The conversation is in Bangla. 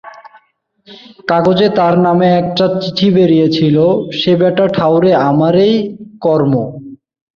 কাগজে তার নামে একটা চিঠি বেরিয়েছিল, সে বেটা ঠাউরেছে আমারই কর্ম।